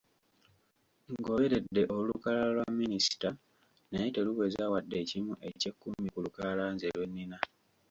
Ngoberedde olukalala lwa minisita naye teruweza wadde ekimu eky'ekkumi ku lukalala nze lwe nina.